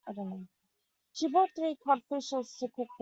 She bought three cod fishes to cook for dinner.